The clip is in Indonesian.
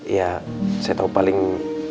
ya saya tau paling